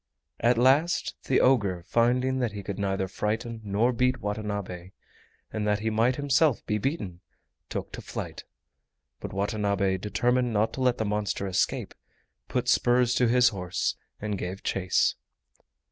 At last the ogre, finding that he could neither frighten nor beat Watanabe and that he might himself be beaten, took to flight. But Watanabe, determined not to let the monster escape, put spurs to his horse and gave chase.